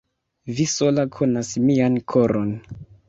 Vi sola konas mian koron.